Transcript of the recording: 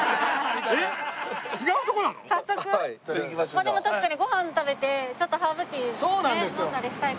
まあでも確かにご飯食べてちょっとハーブティーね飲んだりしたいかも。